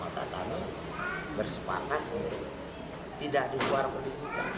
maka kami bersepakat untuk tidak dikeluarkan dari kita